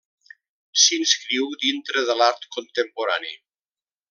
S'inscriu dintre de l'art contemporani.